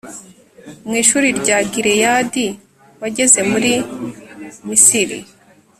mu ishuri rya gileyadi wageze muri misiri